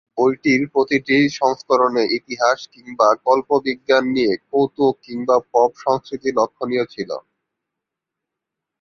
বইটির প্রতিটি সংস্করণে ইতিহাস কিংবা কল্পবিজ্ঞান নিয়ে কৌতুক কিংবা পপ সংস্কৃতি লক্ষণীয় ছিল।